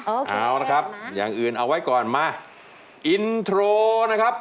เอาละครับอย่างอื่นเอาไว้ก่อนมาอินโทรนะครับ